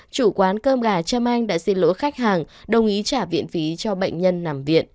chủ quán cơm gà trâm anh đã xin lỗi khách hàng đồng ý trả viện phí cho bệnh nhân nằm viện